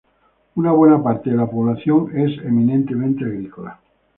Una buena parte de la población es eminentemente agrícola.